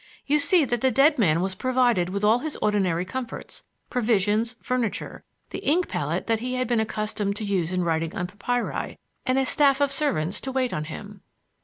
You see that the dead man was provided with all his ordinary comforts; provisions, furniture, the ink palette that he had been accustomed to use in writing on papyri, and a staff of servants to wait on him."